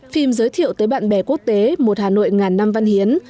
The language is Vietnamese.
phim giới thiệu tới bạn bè quốc tế một hà nội ngàn năm văn hiến